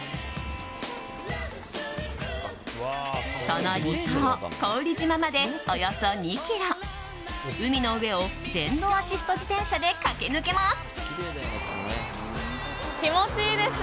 その離島、古宇利島までおよそ２ｋｍ海の上を電動アシスト自転車で駆け抜けます。